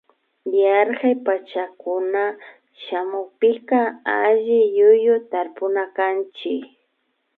Yarkak pachacunan shamunpika alliyuyu tarpunakanchik